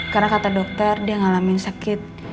karena kata dokter dia ngalamin sakit